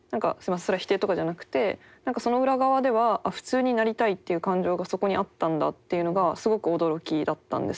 それは否定とかじゃなくてその裏側では普通になりたいっていう感情がそこにあったんだっていうのがすごく驚きだったんです。